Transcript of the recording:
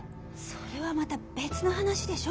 それはまた別の話でしょ。